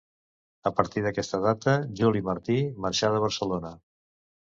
A partir d'aquesta data Juli Martí marxà de Barcelona.